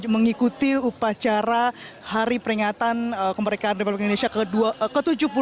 mengikuti upacara hari peringatan kemerdekaan republik indonesia ke tujuh puluh dua